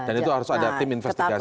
dan itu harus ada tim investigasi disitu